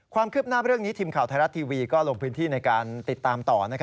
ความคืบหน้าเรื่องนี้ทีมข่าวไทยรัฐทีวีก็ลงพื้นที่ในการติดตามต่อ